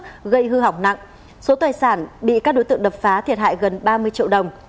đối tượng bị đập phá gây hư hỏng nặng số tài sản bị các đối tượng đập phá thiệt hại gần ba mươi triệu đồng